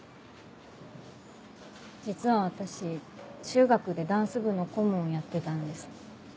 実は私中学でダンス部の顧問をやってたんです。